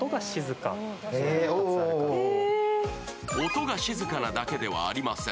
音が静かなだけではありません。